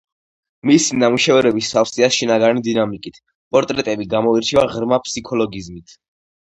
მისი ნამუშევრები სავსეა შინაგანი დინამიკით; პორტრეტები გამოირჩევა ღრმა ფსიქოლოგიზმით.